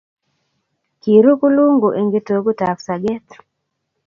Kiiru kulungu eng' kitogut ap sagek.